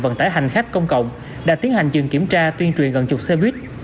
vận tải hành khách công cộng đã tiến hành dừng kiểm tra tuyên truyền gần chục xe buýt